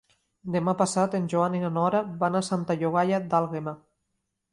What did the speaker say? Demà passat en Joan i na Nora van a Santa Llogaia d'Àlguema.